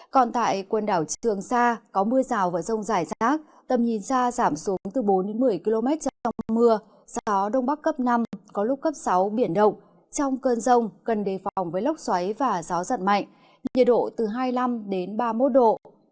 còn tại quần đảo trường sa có mưa rào và rông rải rác tầm nhìn xa giảm xuống từ bốn một mươi km trong mưa gió đông bắc cấp năm có lúc cấp sáu biển động trong cơn rông cần đề phòng với lốc xoáy và gió giật mạnh nhiệt độ từ hai mươi năm ba mươi một độ